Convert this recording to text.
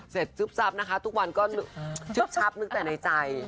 เสร็จจุ๊บจับนะคะทุกวันก็จุ๊บจับนึกแต่ในใจ